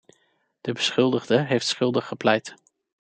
De beschuldigde heeft schuldig gepleit.